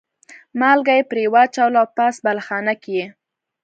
مالګه یې پرې واچوله او پاس بالاخانه کې یې.